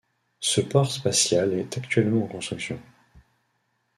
Ce port spatial est actuellement en construction.